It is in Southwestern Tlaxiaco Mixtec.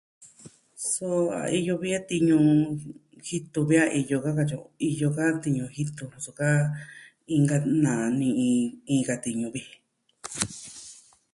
Suu a iyo vi a tiñu jitu vi a iyo ka katyi o, iyo ka tiñu jitu suu kaa inka nani'i inka tiñu vi.